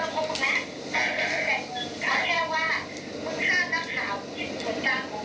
ถ้าข่าวที่นี่จะทำไอ้เจียหายคุณไม่ต้องการใครนอกจากมึง